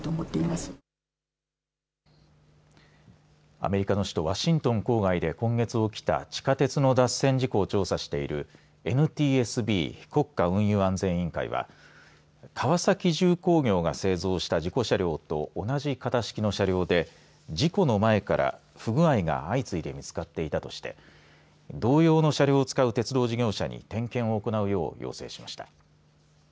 アメリカの首都ワシントン郊外で今月起きた地下鉄の脱線事故を調査しているＮＴＳＢ、国家暗喩安全委員会は川崎重工業が製造した事故車両と同じ型式の車両で事故の前から不具合が相次いで見つかっていたとして同様の車両を使う鉄道事業者に点検を行うよう要請しました。